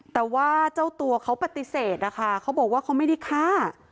แต่ว่าเจ้าตัวเขาปฏิเสธนะคะเขาบอกว่าเขาไม่ได้ฆ่า